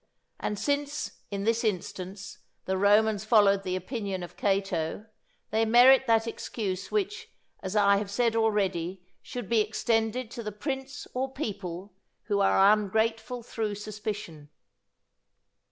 And since, in this instance, the Romans followed the opinion of Cato, they merit that excuse which, as I have said already, should be extended to the prince or people who are ungrateful through suspicion.